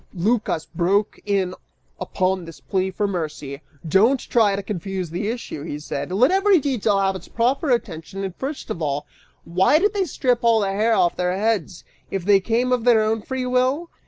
Lycas broke in upon this plea for mercy, "Don't try to confuse the issue," he said, "let every detail have its proper attention and first of all, why did they strip all the hair off their heads, if they came of their own free will?